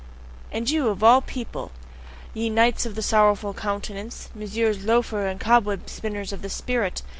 and you of all people, ye knights of the sorrowful countenance, Messrs Loafers and Cobweb spinners of the spirit!